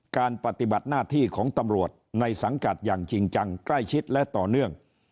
ปฏิบัติหน้าที่ของตำรวจในสังกัดอย่างจริงจังใกล้ชิดและต่อเนื่อง